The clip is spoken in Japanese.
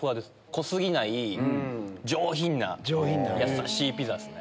濃過ぎない上品なやさしいピザですね。